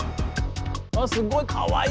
すごいかわいい！